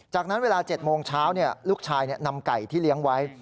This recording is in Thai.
จากนั้นเวลา๗โมงเช้าลูกชายนำไก่ที่เลี้ยงไว้